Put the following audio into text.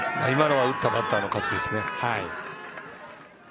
今のは打ったバッターの勝ちですね。